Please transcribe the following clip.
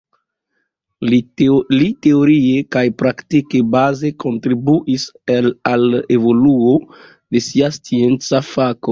Li teorie kaj praktike baze kontribuis al evoluo de sia scienca fako.